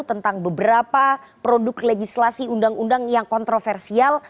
tentang beberapa produk legislasi undang undang yang kontroversial